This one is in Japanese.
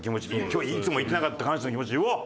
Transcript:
今日いつも言ってなかった感謝の気持ち言おう